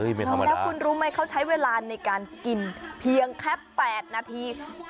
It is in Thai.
แล้วคุณรู้ไหมเขาใช้เวลาในการกินเพียงแค่๘นาที